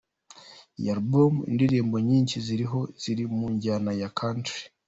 Iyi album, indirimbo nyinshi ziriho ziri mu njyana ya country.